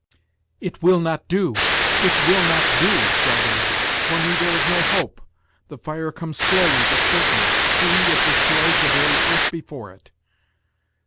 "It will not do it will not do!" cried Elizabeth; "for me there is no hope! The fire comes slowly, but certainly. See, it destroys the very earth before it!"